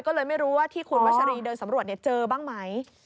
ก็เลยไม่รู้ว่าที่คุณวัชรีเดินสำรวจเจอบ้างไหม